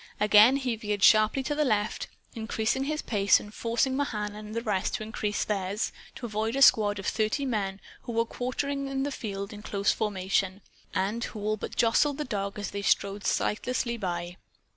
Again he veered sharply to the left increasing his pace and forcing Mahan and the rest to increase theirs to avoid a squad of thirty men who were quartering the field in close formation, and who all but jostled the dog as they strode sightlessly by.